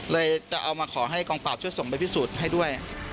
จะเอามาขอให้กองปราบช่วยส่งไปพิสูจน์ให้ด้วย